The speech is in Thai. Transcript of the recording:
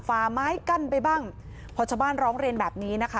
ฝ่าไม้กั้นไปบ้างพอชาวบ้านร้องเรียนแบบนี้นะคะ